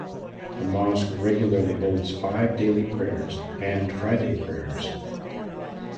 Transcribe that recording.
The mosque regularly holds five daily prayers and Friday prayers.